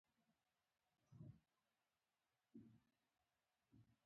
غرمه د انسان لپاره یو الهي نعمت دی